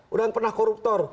orang yang pernah koruptor